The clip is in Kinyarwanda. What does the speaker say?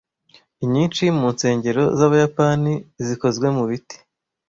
Inyinshi mu nsengero z'Abayapani zikozwe mu biti.